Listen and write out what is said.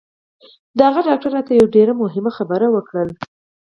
د هغه ډاکتر راته یوه ډېره مهمه خبره وکړه